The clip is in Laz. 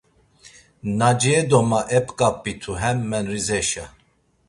Naciye do ma ep̌ǩap̌itu hemmen Rizeşa.